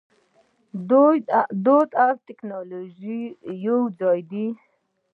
دود او ټیکنالوژي یوځای دي.